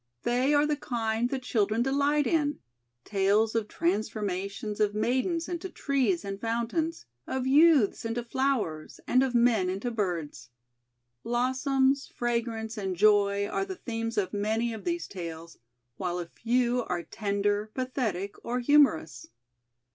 They are the kind that children delight in — tales of transforma tions of maidens into trees and fountains, of youths into flowers, and of men into birds. Blossoms, fragrance, and joy are the themes of many of these talcs, while a few are tender, pathetic, or humorous.